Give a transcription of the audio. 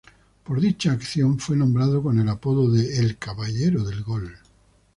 Por dicha acción, fue nombrado con el apodo de "El Caballero del Gol".